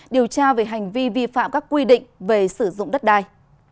điều tra về hành vi vi phạm các quy định về sử dụng đất đai